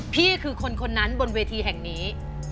พี่คือคนนั้นบนเวทีแห่งนี้